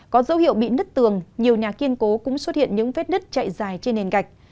có dấu hiệu bị nứt tường nhiều nhà kiên cố cũng xuất hiện những vết nứt chạy dài trên nền gạch